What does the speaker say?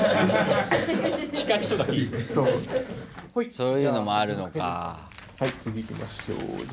そういうのもあるのか。